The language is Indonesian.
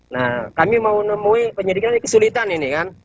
nah kami mau nemui penyidikan kesulitan ini kan